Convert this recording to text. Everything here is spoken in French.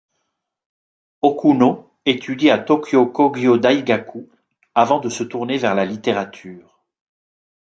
Okuno étudie au Tōkyō Kōgyō Daigaku avant de se tourner vers la littérature.